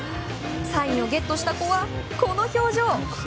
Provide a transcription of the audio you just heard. サインをゲットした子はこの表情。